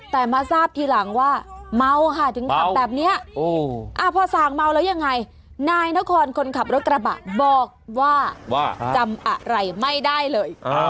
แต่มาทราบทีหลังว่าเมาค่ะถึงขับแบบนี้พอส่างเมาแล้วยังไงนายนครคนขับรถกระบะบอกว่าว่าจำอะไรไม่ได้เลย